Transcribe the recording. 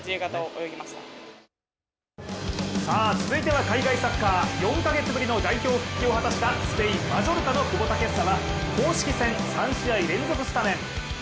続いては海外サッカー４カ月ぶりの代表復帰を果たしたスペイン・マジョルカの久保建英は公式戦３試合連続スタメン。